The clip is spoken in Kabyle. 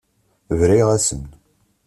Briɣ-asen.